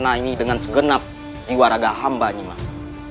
istana ini dengan segenap jiwa raga hamba nimas